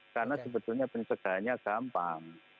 karena sebetulnya pencegahannya gampang